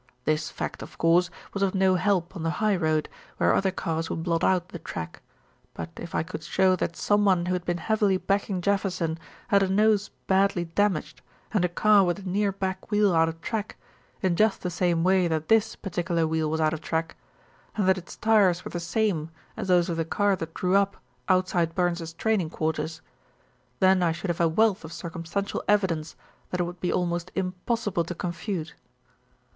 This fact, of course, was of no help on the high road, where other cars would blot out the track; but if I could show that someone who had been heavily backing Jefferson had a nose badly damaged, and a car with a near back wheel out of track in just the same way that this particular wheel was out of track, and that its tyres were the same as those of the car that drew up outside Burns's training quarters, then I should have a wealth of circumstantial evidence that it would be almost impossible to confute.